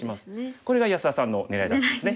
これが安田さんの狙いだったんですね。